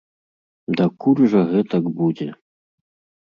Дакуль жа гэтак будзе?